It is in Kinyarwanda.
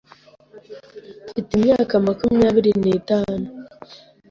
Mfite imyaka makumyabiri n'itanu.